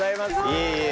いえいえ。